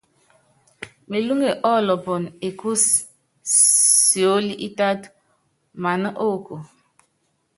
Melúŋe ɔ́lɔpɔnɔ ékúsi siólí ítátɔ́ maná oko.